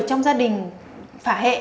trong gia đình phả hệ